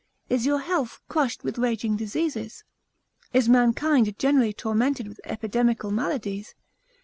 is your health crushed with raging diseases? is mankind generally tormented with epidemical maladies?